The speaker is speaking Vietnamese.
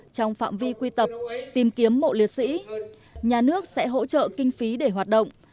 trong phạm vi quy tập tìm kiếm mộ liệt sĩ nhà nước sẽ hỗ trợ kinh phí để hoạt động